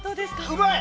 うまい！